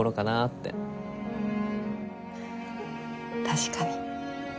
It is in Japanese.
確かに。